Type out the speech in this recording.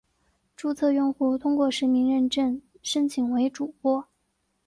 注册用户通过实名认证申请成为主播。